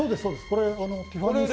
これティファニー製の。